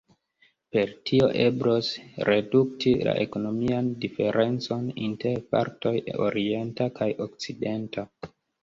Per tio eblos redukti la ekonomian diferencon inter partoj orienta kaj okcidenta.